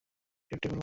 Fifty four one.